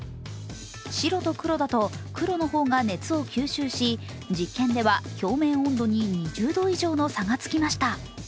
白と黒だと、黒の方が熱を吸収し、実験では、表面温度に２０度以上の差がつきました。